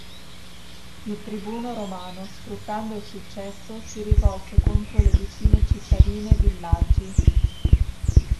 Il tribuno romano, sfruttando il successo, si rivolse contro le vicine cittadine e villaggi.